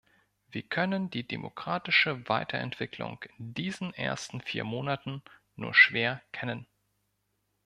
Wir können die demokratische Weiterentwicklung in diesen ersten vier Monaten nur schwer kennen.